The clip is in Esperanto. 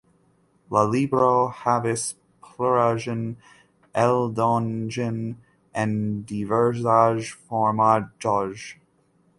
La libro havis plurajn eldonojn en diversaj formatoj.